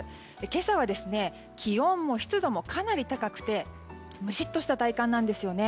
今朝は気温も湿度もかなり高くてムシッとした体感なんですよね。